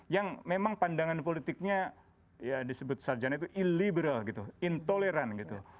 yang memang pandangan politiknya ya disebut sarjana itu illiberal gitu intoleran gitu